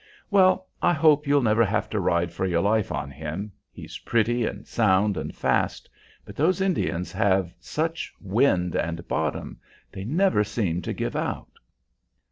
"Well, I hope you'll never have to ride for your life on him. He's pretty and sound and fast, but those Indians have such wind and bottom; they never seem to give out."